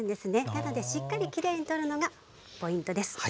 なのでしっかりきれいに取るのがポイントです。